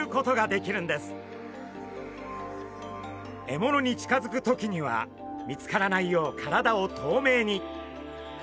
獲物に近づく時には見つからないよう体を透明に。